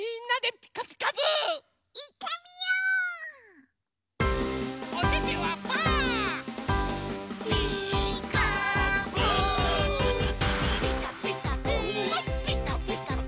「ピカピカブ！ピカピカブ！」